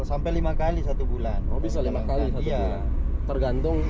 oh bisa lima x satu bulan tergantung